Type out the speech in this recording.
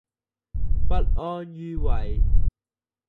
不安於位